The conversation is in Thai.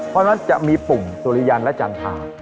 เพราะฉะนั้นจะมีปุ่มสุริยันและจันทรา